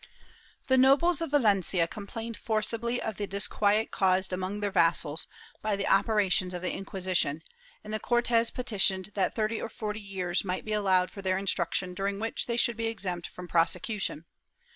The nobles of Valencia complained forcibly of the disquiet caused among their vassals by the operations of the Inquisition, and the C6rtes petitioned that thirty or forty years might be allowed for their instruction during which they should be exempt from prosecution.